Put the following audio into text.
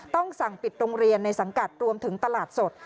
ต้องสั่งปิดโรงเรียนในสังกัดรวมถึงตลาดสด